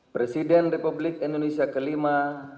presiden republik indonesia kelima